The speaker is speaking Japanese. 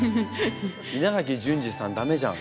稲垣淳二さん駄目じゃん。